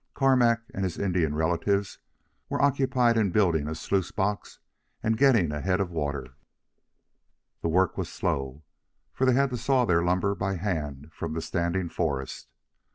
Carmack and his Indian relatives were occupied in building a sluice box and getting a head of water. The work was slow, for they had to saw their lumber by hand from the standing forest.